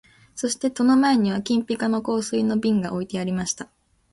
そして戸の前には金ピカの香水の瓶が置いてありました